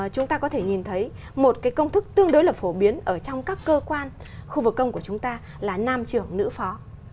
chúng ta có thể nhìn thấy một cái công thức tương đối là phổ biến ở trong các cơ quan khu vực công của chúng ta là nam trưởng nữ phó